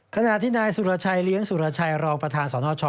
ขณะที่นายสุรชัยเลี้ยงสุรชัยรองประธานสนช